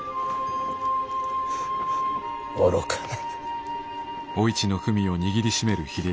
愚かな。